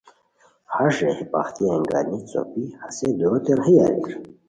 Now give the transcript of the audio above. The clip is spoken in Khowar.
ہݰ رے ہے پختییان گانی څوپی ہسے دوروتے راہی اریر